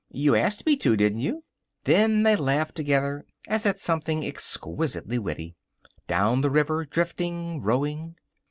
"You asked me to, didn't you?" Then they laughed together, as at something exquisitely witty. Down the river, drifting, rowing.